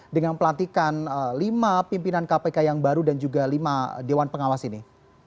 dengan pelantikan lima pimpinan kpk yang baru dan juga lima dewan pengawas ini